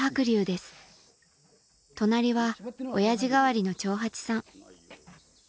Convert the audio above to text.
隣はオヤジ代わりの長八さん